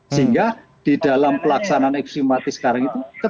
sehingga di dalam pelaksanaan aksi mati sekarang itu